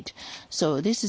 そうですね。